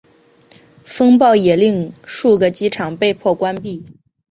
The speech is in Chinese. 风暴也令数个机场被迫关闭。